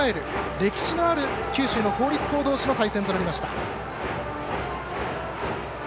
歴史のある九州の公立校同士の対戦となりました。